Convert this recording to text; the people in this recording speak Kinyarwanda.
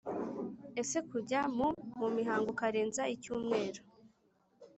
Ese kujya mu mu mihango ukarenza icyumweru